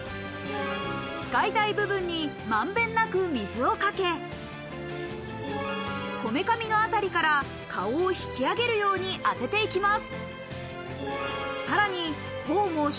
使いたい部分に満遍なく水をかけ、こめかみの辺りから顔を引き上げるように当てていきます。